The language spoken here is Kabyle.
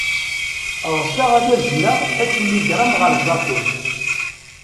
Ɣseɣ ad azneɣ atiligṛam ɣer Japun.